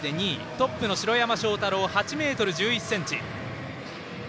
トップの城山正太郎は８ｍ１１ｃｍ。